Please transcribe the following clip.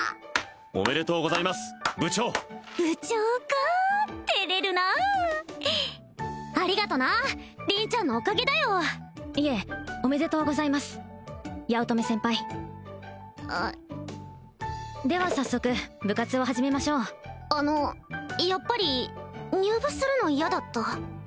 おめでとうございます部長部長か照れるなあありがとな凛ちゃんのおかげだよいえおめでとうございます八乙女先輩では早速部活を始めましょうあのやっぱり入部するの嫌だった？